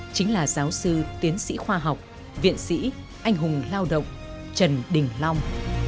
chính là giáo sư tiến sĩ khoa học viện sĩ anh hùng lao động trần đình long